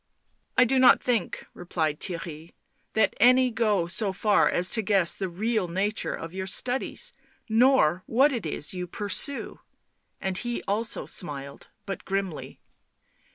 " I do not think," replied Theirry, " that any go so far as to guess the real nature of your studies, nor what it is you pursue " And he also smiled, but grimly.